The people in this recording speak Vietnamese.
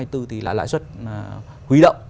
thì là lãi suất huy động